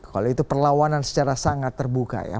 kalau itu perlawanan secara sangat terbuka ya